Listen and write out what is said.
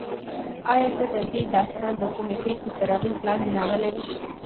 ایا ته د دې داستان د کومې پېښې تر اغېز لاندې راغلی یې؟